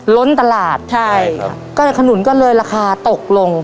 ล้นตลาดใช่ครับก็เลยขนุนก็เลยราคาตกลง